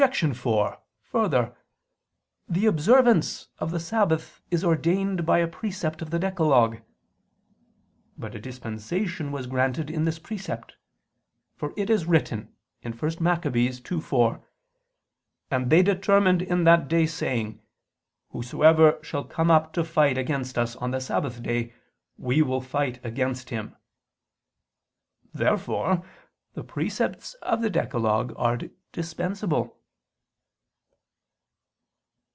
4: Further, the observance of the Sabbath is ordained by a precept of the decalogue. But a dispensation was granted in this precept; for it is written (1 Macc. 2:4): "And they determined in that day, saying: Whosoever shall come up to fight against us on the Sabbath day, we will fight against him." Therefore the precepts of the decalogue are dispensable.